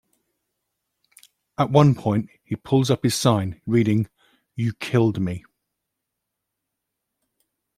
At one point he pulls up his sign, reading "You killed me".